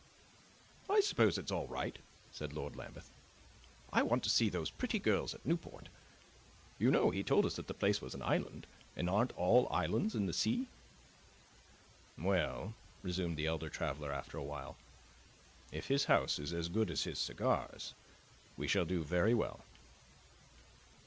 '" "I suppose it's all right," said Lord Lambeth. "I want to see those pretty girls at Newport. You know, he told us the place was an island; and aren't all islands in the sea?" "Well," resumed the elder traveler after a while, "if his house is as good as his cigars, we shall do very well."